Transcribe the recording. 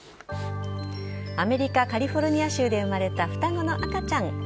アメリカ・カリフォルニア州で生まれた、双子の赤ちゃん。